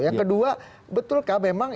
yang kedua betulkah memang